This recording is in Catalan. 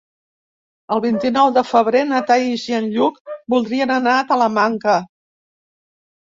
El vint-i-nou de febrer na Thaís i en Lluc voldrien anar a Talamanca.